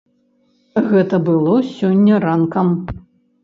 Гэта было сёння ранкам.